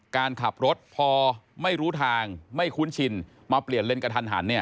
การขับรถพอไม่รู้ทางไม่คุ้นชินมาเปลี่ยนเลนกระทันหันเนี่ย